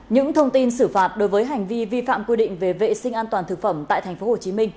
những thông tin xử phạt đối với hành vi vi phạm quy định về vệ sinh an toàn thực phẩm tại tp hcm